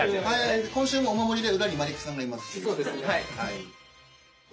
今週もお守りで裏にマリックさんがいます。